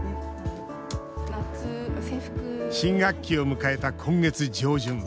新学期を迎えた今月上旬。